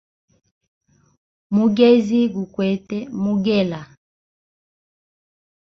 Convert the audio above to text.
Mugezi gu kwete mugela.